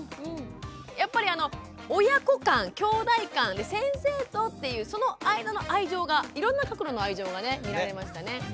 やっぱり親子間きょうだい間先生とっていうその間の愛情がいろんな角度の愛情が見られましたね。